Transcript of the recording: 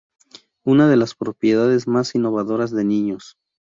Una de las propiedades más innovadoras de "¡Niños!